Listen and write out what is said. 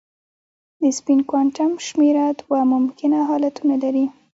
د سپین کوانټم شمېره دوه ممکنه حالتونه لري.